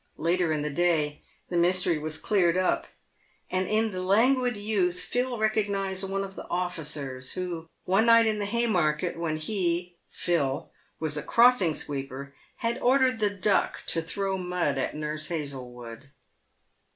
Later in the day the mystery was cleared up, and in the languid youth Phil recognised one of the officers who, one night in the Haymarket, when he (Phil) was a crossing sweeper, had or dered the Duck to throw mud at Nurse Hazlewood.